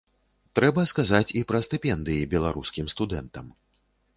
Трэба сказаць і пра стыпендыі беларускім студэнтам.